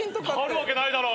あるわけないだろ。